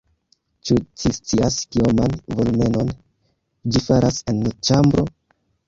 Ĉu ci scias, kioman volumenon ĝi faras en ĉambro?